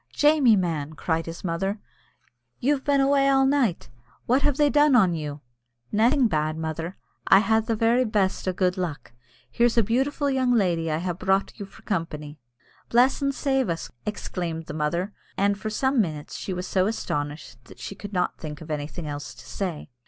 "Jamie, man!" cried his mother, "you've been awa' all night; what have they done on you?" "Naething bad, mother; I ha' the very best of gude luck. Here's a beautiful young lady I ha' brought you for company. "Bless us an' save us!" exclaimed the mother, and for some minutes she was so astonished that she could not think of anything else to say.